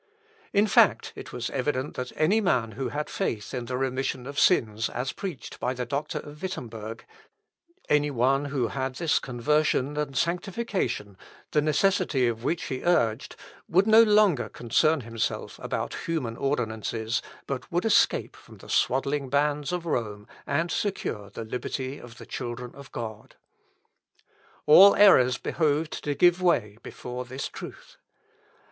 In fact, it was evident that any man who had faith in the remission of sins as preached by the doctor of Wittemberg; any one who had this conversion and sanctification, the necessity of which, he urged, would no longer concern himself about human ordinances, but would escape from the swaddling bands of Rome, and secure the liberty of the children of God. All errors behoved to give way before this truth.